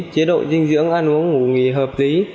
chế độ dinh dưỡng ăn uống ngủ nghỉ hợp lý